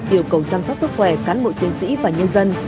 yêu cầu chăm sóc sức khỏe cán bộ chiến sĩ và nhân dân